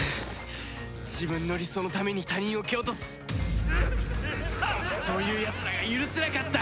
自分の理想のために他人を蹴落とすそういうやつらが許せなかった！